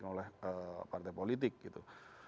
oleh partai politik gitu